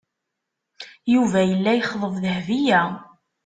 Yuba yella yexḍeb Dahbiya.